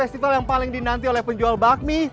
festival yang paling dinanti oleh penjual bakmi